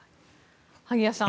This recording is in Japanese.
萩谷さん